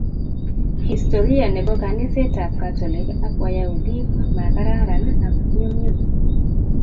Historia nebo kaniset tab katolik ak wayahudi makararan ak nyum nyum.